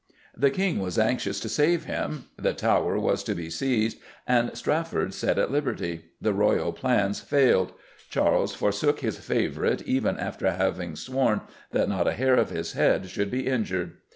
The King was anxious to save him; the Tower was to be seized and Strafford set at liberty; the royal plans failed; Charles forsook his favourite even after having sworn that not a hair of his head should be injured.